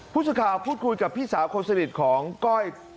ผู้สื่อข่าวพูดคุยกับพี่สาวคนสนิทของก้อย